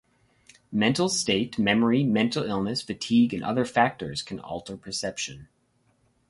Mental state, memory, mental illness, fatigue, and other factors can alter perception.